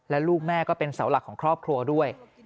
และลูกแม่ก็เป็นเสาหลักของครอบครัวด้วย